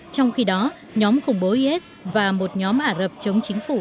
trong khi đó nhóm khủng bố is và một nhóm ả rập chống chính phủ